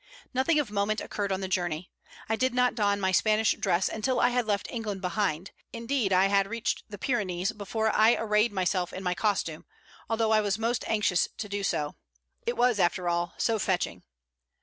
Nothing of moment occurred on the journey. I did not don my Spanish dress until I had left England behind indeed, I had reached the Pyrenees before I arrayed myself in my costume, although I was most anxious to do so. It was, after all, so fetching.